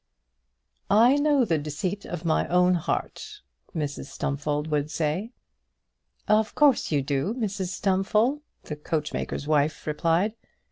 "I know the deceit of my own heart," Mrs Stumfold would say. "Of course you do, Mrs Stumfold," the coachmaker's wife replied.